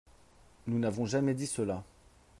Nous n’avons jamais dit cela